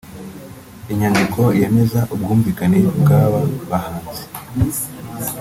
Inyandiko yemeza ubwumvikane bw’aba bahanzi